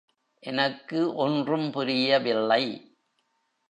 எனக்கு ஒன்றும் புரிய வில்லை.